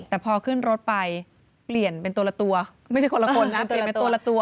แต่พอขึ้นรถไปเปลี่ยนเป็นตัวละตัวไม่ใช่คนละคนนะเปลี่ยนเป็นตัวละตัว